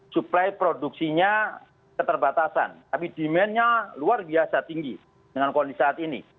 suplai produksinya keterbatasan tapi demandnya luar biasa tinggi dengan kondisi saat ini